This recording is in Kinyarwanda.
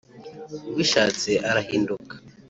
ubishatse arahinduka